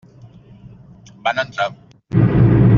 Van entrar.